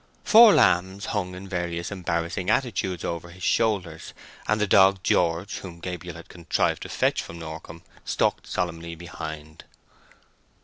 Four lambs hung in various embarrassing attitudes over his shoulders, and the dog George, whom Gabriel had contrived to fetch from Norcombe, stalked solemnly behind.